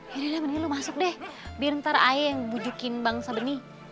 ya udah lu masuk deh biar ntar ayah yang bujukin bang sabeni